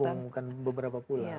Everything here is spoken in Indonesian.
menghubungkan beberapa pulau